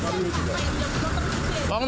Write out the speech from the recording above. motornya gak ada